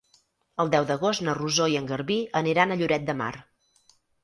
El deu d'agost na Rosó i en Garbí aniran a Lloret de Mar.